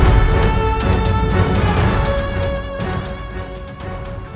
atas semua kejahatan yang telah dia perlukan